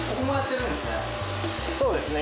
そうですね。